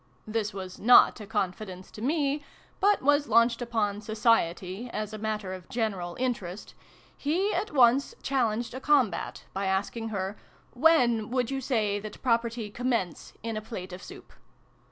" (this was not a confidence to me, but was launched upon Society, as a matter of general interest), he at once challenged a combat by asking her " ivhen would you say that property commence in a plate of soup